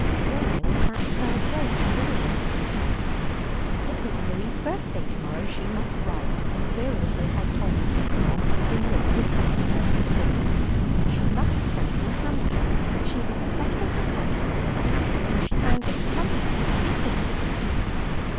There was that pearl brooch Louie had given her; it was Louie's birthday to morrow, she must write, and hear also how Tom was getting on in this his second term at school, she must send him a hamper. She had settled the contents of the hamper when she found that someone was speaking to her.